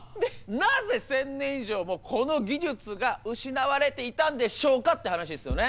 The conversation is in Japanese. なぜ１０００年以上もこの技術が失われていたんでしょうかって話ですよね。